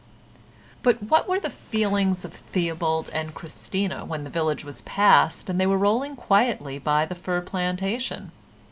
But what were the feelings of Theobald and Christina when the village was passed and they were rolling quietly by the fir plantation?